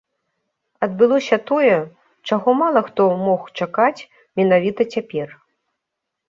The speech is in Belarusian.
Адбылося тое, чаго мала хто мог чакаць менавіта цяпер.